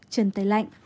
chân tay lạnh